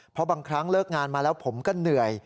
เพราะบางครั้งเลิกงานมาแล้วผมก็เหนื่อย